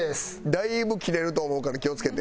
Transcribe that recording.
だいぶキレると思うから気を付けて。